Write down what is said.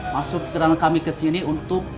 masuk ke dalam kami kesini untuk